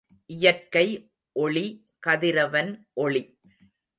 இயற்கை ஒளி கதிரவன் ஒளி.